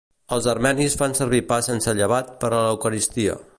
Els armenis fan servir pa sense llevat per a l'Eucaristia.